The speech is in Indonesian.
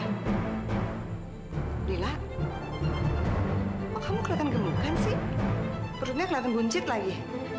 hai lila kamu kelihatan gemukkan sih perutnya kelihatan buncit lagi